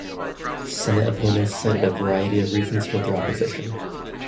Senate opponents cited a variety of reasons for their opposition.